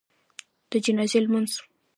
د جنازي لمونځ